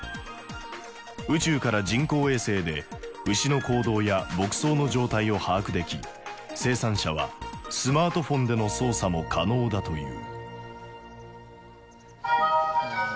宇宙から人工衛星で牛の行動や牧草の状態を把握でき生産者はスマートフォンでの操作も可能だという。